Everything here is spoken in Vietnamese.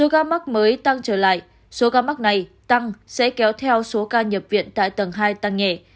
một mươi ca mắc mới tăng trở lại số ca mắc này tăng sẽ kéo theo số ca nhập viện tại tầng hai tăng nhẹ